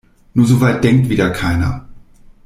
Nur so weit denkt wieder keiner.